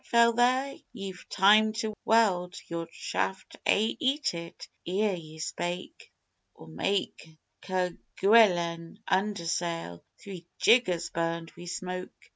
Fail there ye've time to weld your shaft ay, eat it, ere ye're spoke, Or make Kerguelen under sail three jiggers burned wi' smoke!